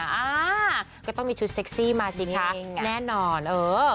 อ่าก็ต้องมีชุดเซ็กซี่มาสิคะแน่นอนเออ